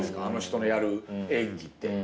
あの人のやる演技って。